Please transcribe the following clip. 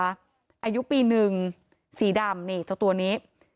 อายุปีหนึ่งสีดำนี่เจ้าตัวนี้